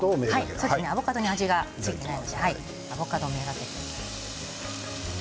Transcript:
アボカドに味が付いていないので、アボカド目がけてください。